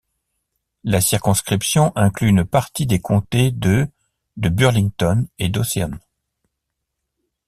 La circonscription inclut une partie des comtés de de Burlington et d'Ocean.